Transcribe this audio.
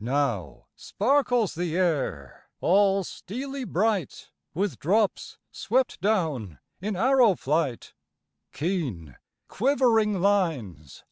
Now sparkles the air, all steely bright, With drops swept down in arrow flight, Keen, quivering lines.